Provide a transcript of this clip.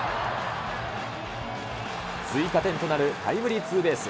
追加点となるタイムリーツーベース。